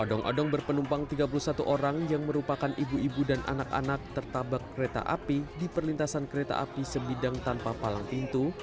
odong odong berpenumpang tiga puluh satu orang yang merupakan ibu ibu dan anak anak tertabak kereta api di perlintasan kereta api sebidang tanpa palang pintu